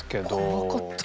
怖かった。